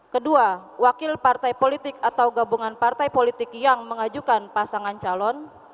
kedua wakil partai politik atau gabungan partai politik yang mengajukan pasangan calon